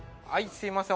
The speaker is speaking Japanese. すいません。